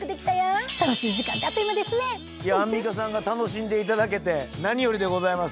アンミカさんが楽しんでいただけて何よりでございます。